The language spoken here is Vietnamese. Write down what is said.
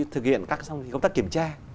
thực hiện các công tác kiểm tra